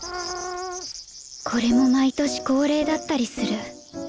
これも毎年恒例だったりする。